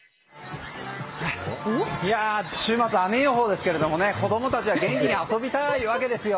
週末は雨予報ですけど子供たちは元気に遊びたいわけですよ。